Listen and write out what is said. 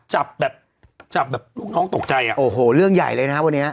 จับแบบจับแบบลูกน้องตกใจอ่ะโอ้โหเรื่องใหญ่เลยนะฮะวันนี้